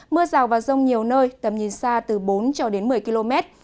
mưa rào và rông nhiều nơi tầm nhìn xa từ bốn cho đến một mươi km